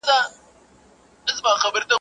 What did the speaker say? راستي د مړو هنر دئ.